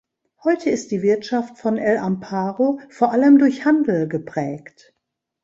Heute ist die Wirtschaft von El Amparo vor allem durch Handel geprägt.